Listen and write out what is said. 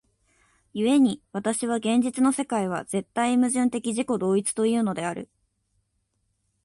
故に私は現実の世界は絶対矛盾的自己同一というのである。